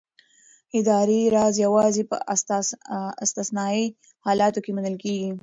اداري راز یوازې په استثنايي حالاتو کې منل کېږي.